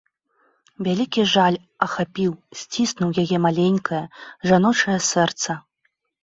Вялікі жаль ахапіў, сціснуў яе маленькае, жаночае сэрца.